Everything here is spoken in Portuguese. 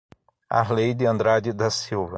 Arleide Andrade da Silva